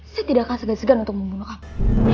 saya tidak akan segan segan untuk membunuh apa